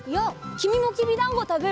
きみもきびだんごたべる？